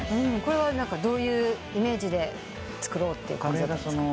これはどういうイメージで作ろうって感じだったんですか？